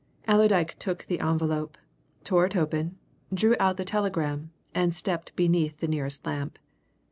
Allerdyke took the envelope, tore it open, drew out the telegram, and stepped beneath the nearest lamp.